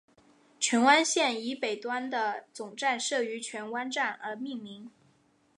荃湾线以北端的总站设于荃湾站而命名。